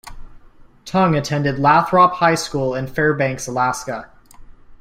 Tongue attended Lathrop High School in Fairbanks, Alaska.